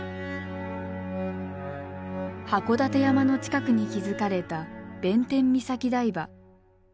函館山の近くに築かれた弁天岬台場。